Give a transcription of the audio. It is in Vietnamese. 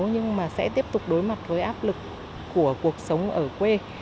nhưng mà sẽ tiếp tục đối mặt với áp lực của cuộc sống ở quê